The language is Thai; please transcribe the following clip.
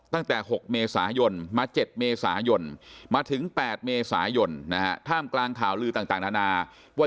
ตั้งแต่๖เมษายนมา๗เมษายนมาถึง๘เมษายนท่ามกลางข่าวลือต่างนานาว่า